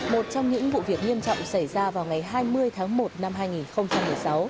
một trong những vụ việc nghiêm trọng xảy ra vào ngày hai mươi tháng một năm hai nghìn một mươi sáu